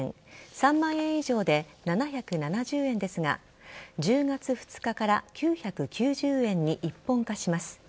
３万円以上で７７０円ですが１０月２日から９９０円に一本化します。